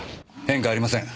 変化ありません。